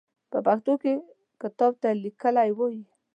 په پښتو کې کتاب ته ليکی وايي.